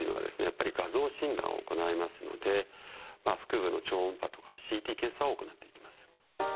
やっぱり画像診断を行いますので腹部の超音波とかＣＴ検査を行っていきます。